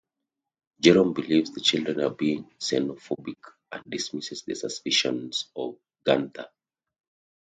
Jerome believes the children are being xenophobic, and dismisses their suspicions of Gunther.